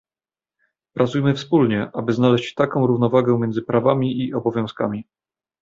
Pracujmy wspólnie, aby znaleźć taką równowagę między prawami i obowiązkami